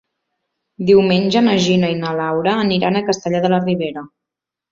Diumenge na Gina i na Laura aniran a Castellar de la Ribera.